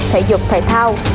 thể dục thể thao